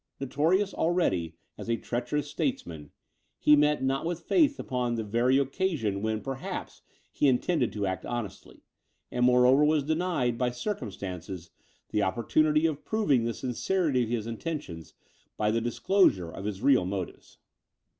Notorious already as a treacherous statesman, he met not with faith upon the very occasion when perhaps he intended to act honestly; and, moreover, was denied, by circumstances, the opportunity of proving the sincerity of his intentions, by the disclosure of his real motives.